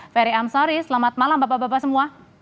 ferry amsari selamat malam bapak bapak semua